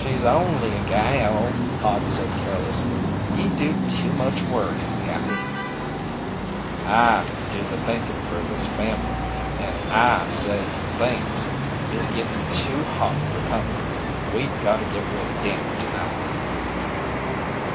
"She's only a gal," Hod said carelessly. "Ye do too much worryin', Pappy." "I do the thinkin' fer this family. An' I say things is gittin' too hot fer comfort. We gotta git rid o' Danny tonight."